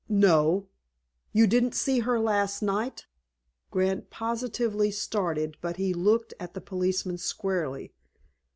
"No." "You didn't see her last night?" Grant positively started, but he looked at the policeman squarely.